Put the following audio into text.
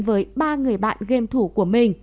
với ba người bạn game thủ của mình